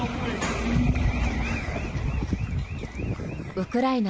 ウクライナ